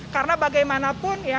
karena bagaimanapun ya